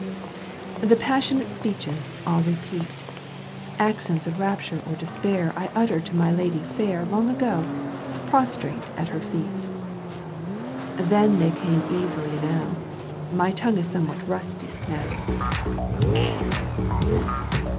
The passionate speeches I'll repeat, Accents of rapture or despair I uttered to my lady fair Long ago, prostrate at her feet. Then they came easily enow, >^ My tongue is somewhat rusty now.